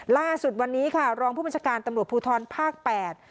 ล่าสุดวันนี้ค่ะรองผู้บัญชาการตำรวจภูทรภาคแปด